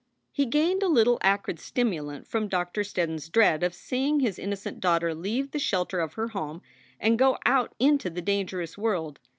He gained a little acrid stimulant from Doctor Steddon s dread of seeing his innocent daughter leave the shelter of her home and go out into the dangerous world.